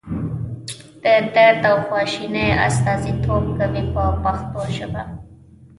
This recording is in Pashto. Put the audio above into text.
د درد او خواشینۍ استازیتوب کوي په پښتو ژبه.